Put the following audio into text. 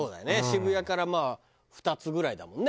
渋谷から２つぐらいだもんね。